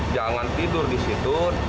jangan tidur di situ